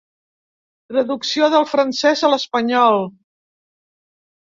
Traducció del francès a l'espanyol.